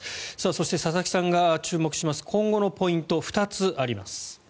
そして佐々木さんが注目します今後のポイント、２つあります。